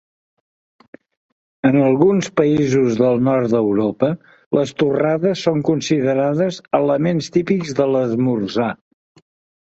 En alguns països del nord d'Europa les torrades són considerades elements típics de l'esmorzar.